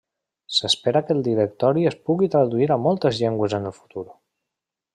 S'espera que el directori es pugui traduir a moltes llengües en el futur.